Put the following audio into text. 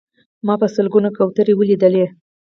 ما په سلګونه کوترې ولیدلې.